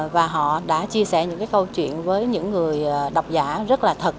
và họ đã chia sẻ những cái câu chuyện với những người đọc giả rất là thật